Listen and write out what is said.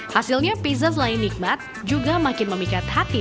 hasilnya pizza selain nikmat juga makin memikat hati